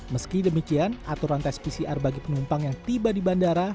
meski demikian aturan tes pcr bagi penumpang yang tiba di bandara